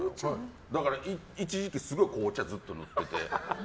だから、一時期すごい紅茶ずっと塗ってて。